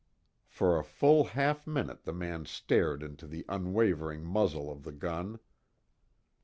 For a full half minute the man stared into the unwavering muzzle of the gun.